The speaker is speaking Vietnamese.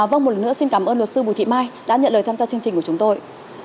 vâng một lần nữa xin cảm ơn luật sư bùi thị mai đã nhận lời tham gia chương trình của chúng tôi